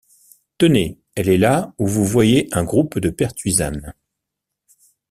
Tenez, elle est là où vous voyez un groupe de pertuisanes.